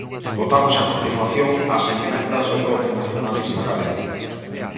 Votamos a continuación as emendas do Bloque Nacionalista Galego.